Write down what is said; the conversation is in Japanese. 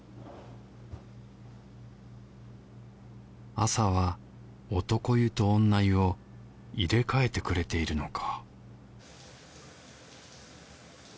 朝は男湯と女湯を入れ替えてくれているのか